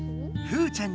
ふーちゃん！